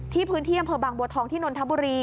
ที่พื้นเที่ยงเผอร์บังบัวทองที่นนทับบุรี